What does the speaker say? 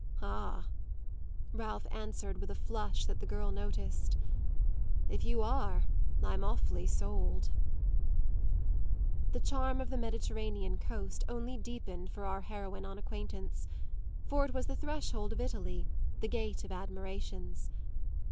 "Ah," Ralph answered with a flush that the girl noticed, "if you are I'm awfully sold!" The charm of the Mediterranean coast only deepened for our heroine on acquaintance, for it was the threshold of Italy, the gate of admirations.